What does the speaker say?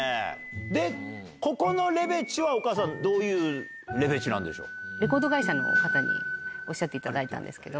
でここのレベチはどういうレベチなんでしょう？